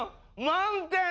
満点！